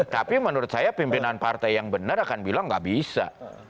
tapi menurut saya pimpinan partai yang benar akan bilang nggak bisa